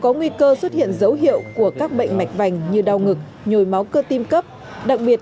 có nguy cơ xuất hiện dấu hiệu của các bệnh mạch vành như đau ngực nhồi máu cơ tim cấp đặc biệt